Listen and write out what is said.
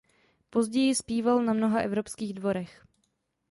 Později zpíval na mnoha evropských dvorech.